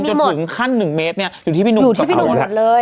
จนถึงขั้น๑เมตรเนี่ยอยู่ที่พี่หนุ่มเลย